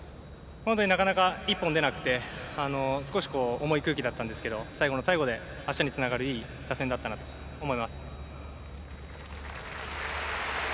なかなか１本が出なくて少し重い空気だったんですけど最後の最後で明日につながるいい打線だったなと思います。